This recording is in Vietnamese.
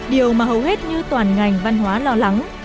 điều mà hầu hết như toàn ngành văn hóa lo lắng